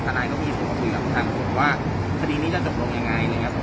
ทนายเขาพี่ผมก็คุยกับผมถามผมว่าคดีนี้จะจบลงยังไงอะไรอย่างเงี้ย